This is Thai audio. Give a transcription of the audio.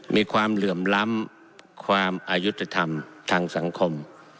มีความเหลื่อมล้ำความอายุทธธรรมทางสังคม